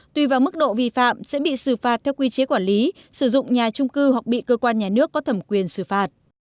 tùy vào mức độ vi phạm sẽ bị xử phạt theo quy chế quản lý sử dụng nhà trung cư hoặc bị cơ quan nhà nước có thẩm quyền xử phạt